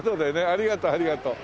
ありがとうありがとう。